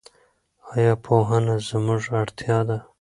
ایا پوهه زموږ اړتیا ده؟